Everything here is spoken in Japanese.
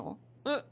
えっ？